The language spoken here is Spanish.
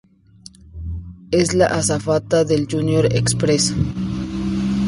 Es la azafata del Junior Express.